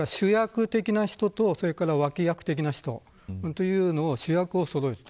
主役的な人と脇役的な人というのをそろえる。